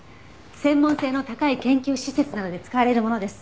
専門性の高い研究施設などで使われるものです。